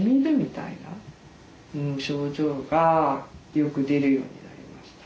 よく出るようになりました。